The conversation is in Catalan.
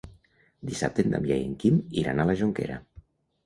Dissabte en Damià i en Quim iran a la Jonquera.